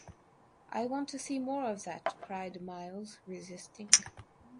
“I want to see more of that,” cried Miles, resisting.